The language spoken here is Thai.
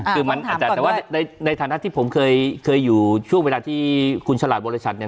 คือมันอาจจะแต่ว่าในฐานะที่ผมเคยอยู่ช่วงเวลาที่คุณฉลาดบริษัทเนี่ย